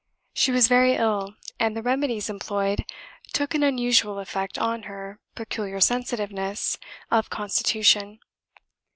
She was very ill, and the remedies employed took an unusual effect on her peculiar sensitiveness of constitution.